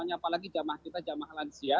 apalagi jemaah kita jemaah lansia